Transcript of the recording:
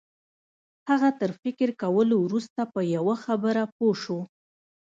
هغه تر فکر کولو وروسته په یوه خبره پوه شو